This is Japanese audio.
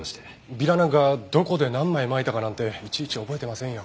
ビラなんかどこで何枚まいたかなんていちいち覚えてませんよ。